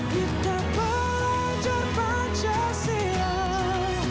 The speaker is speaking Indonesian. kita pelajar pancasila